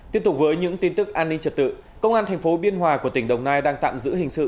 tiếp tục với những tin tức an ninh trật tự công an thành phố biên hòa của tỉnh đồng nai đang tạm giữ hình sự